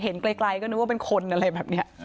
ไกลก็นึกว่าเป็นคนอะไรแบบนี้